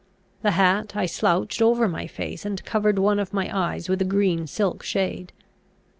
The hat I slouched over my face, and covered one of my eyes with a green silk shade.